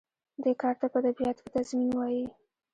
دې کار ته په ادبیاتو کې تضمین وايي.